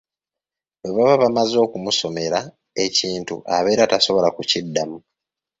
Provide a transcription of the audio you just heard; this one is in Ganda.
Bwe baba bamaze okumusomera ekintu abeera tasobola kukiddamu.